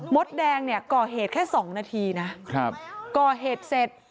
ดแดงเนี่ยก่อเหตุแค่สองนาทีนะครับก่อเหตุเสร็จ